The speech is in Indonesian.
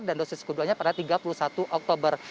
dan dosis keduanya pada tiga puluh satu oktober